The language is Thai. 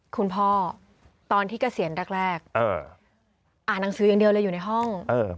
คุณพ่อตอนที่เกษียณแรกอ่านหนังสืออย่างเดียวเลยอยู่ในห้อง